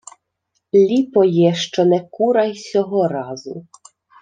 — Ліпо є, що не кура й сього разу.